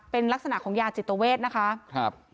เป็นลักษณะของยาจิตเวทนะคะ